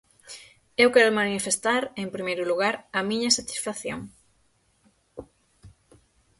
Eu quero manifestar, en primeiro lugar, a miña satisfacción.